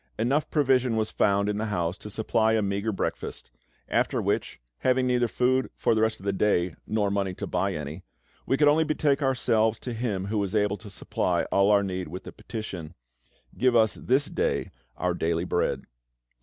Enough provision was found in the house to supply a meagre breakfast; after which, having neither food for the rest of the day, nor money to buy any, we could only betake ourselves to Him who was able to supply all our need with the petition, "Give us this day our daily bread."